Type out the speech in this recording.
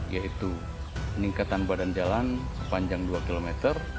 yaitu peningkatan badan jalan sepanjang dua km